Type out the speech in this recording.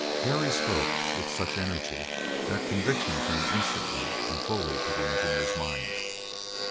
Harry spoke with such energy that conviction came instantly and fully to the engineer's mind.